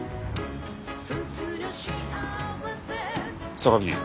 榊。